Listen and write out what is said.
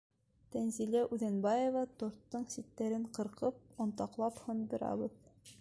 Тәнзилә ҮҘӘНБАЕВА, Торттың ситтәрен ҡырҡып, онтаҡлап һындырабыҙ.